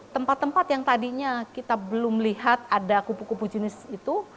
tempat tempat yang tadinya kita belum lihat ada kupu kupu jenis itu